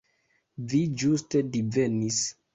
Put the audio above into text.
Vi ĝuste divenis.